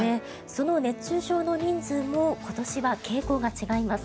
その熱中症の人数も今年は傾向が違います。